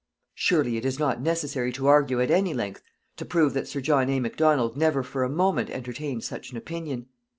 Surely it is not necessary to argue at any length to prove that Sir John A. Macdonald never for a moment entertained such an opinion.